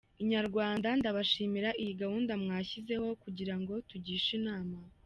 Inyarwanda ndabashimira iyi gahunda mwashyizeho kugira ngo tugishe inama.